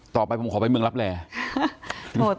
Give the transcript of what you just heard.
ต่อไปผมขอไปเมืองรับแร่